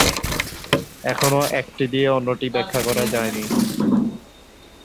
এখনও একটি দিয়ে অন্যটি ব্যাখ্যা করা যায়নি।